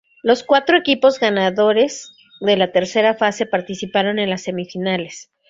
Los cuatro equipos ganadores de la tercera fase participaron en las semifinales.